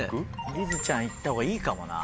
りづちゃんいった方がいいかもな。